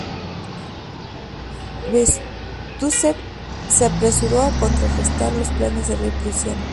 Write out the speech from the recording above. Bestúzhev se apresuró a contrarrestar los planes del rey prusiano.